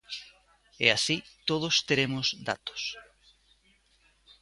E así todos teremos datos.